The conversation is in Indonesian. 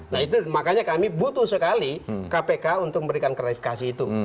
nah itu makanya kami butuh sekali kpk untuk memberikan klarifikasi itu